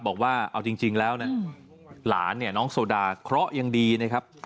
บอกว่าเอาจริงแล้วเนี่ยหลานเนี่ยน้องโซดาเคราะห์ยังดีนะครับ